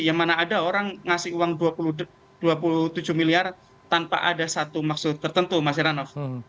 yang mana ada orang ngasih uang dua puluh tujuh miliar tanpa ada satu maksud tertentu mas heranov